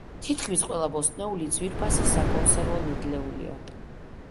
თითქმის ყველა ბოსტნეული ძვირფასი საკონსერვო ნედლეულია.